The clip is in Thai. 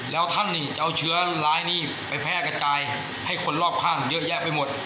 แล้วท่านนี่จะเอาเชื้อร้ายนี้ไปแพร่กระจายให้คนรอบข้างเยอะแยะไปหมด